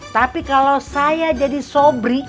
tapi kalau saya jadi sobri